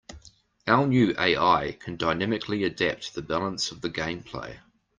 Our new AI can dynamically adapt the balance of the gameplay.